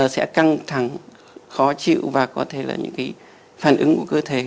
sẽ căng thẳng khó chịu và có thể là những cái phản ứng của cơ thể